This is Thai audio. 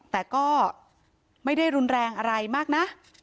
แต่ก็ไม่ได้รุนแรงอะไรมากนะ